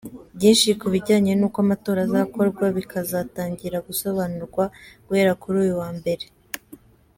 Byinshi ku bijyanye n’uko amatora azakorwa bikazatangira gusobanurwa guhera kuri uyu wa mbere.